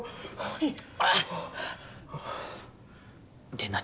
で何？